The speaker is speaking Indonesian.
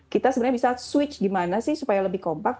kita sebenarnya bisa switch gimana sih supaya lebih kompak